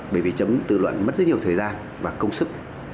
bởi vì chấm tự luận mất rất nhiều thời gian và công sức